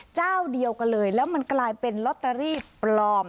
เจ้าเดียวกันเลยแล้วมันกลายเป็นลอตเตอรี่ปลอม